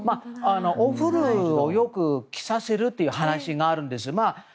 お古をよく着させるという話があるんです。